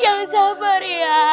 yang sabar ya